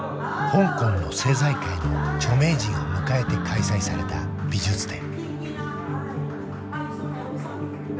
香港の政財界の著名人を迎えて開催された美術展。